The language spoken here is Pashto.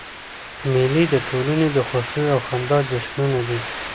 مېلې د ټولني د خوښیو او خندا جشنونه دي.